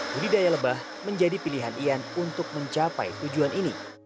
budidaya lebah menjadi pilihan ian untuk mencapai tujuan ini